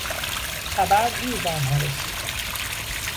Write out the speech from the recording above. خبر دیر به آنها رسید.